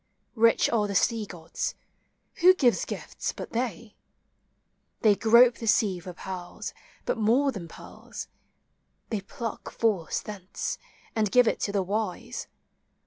Rich are the sea gods: — who gives gifts but they? They grope the sea for pearls, but more than pearls : They pluck Force thence, and give it to the wise.